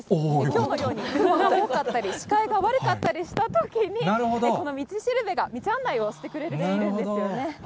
きょうのように雲が多かったり、視界が悪かったりしたときに、この道しるべが道案内をしてくれているんですよね。